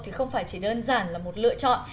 thì không phải chỉ đơn giản là một lựa chọn